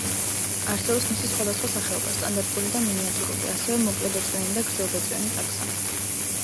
არსებობს მისი სხვადასხვა სახეობა: სტანდარტული და მინიატურული, ასევე მოკლებეწვიანი და გრძელბეწვიანი ტაქსა.